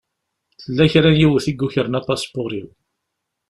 Tella kra n yiwet i yukren apaspuṛ-iw.